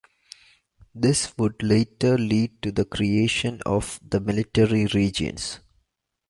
This would later lead to the creation of the military regions.